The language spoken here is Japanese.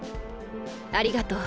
・ありがとう。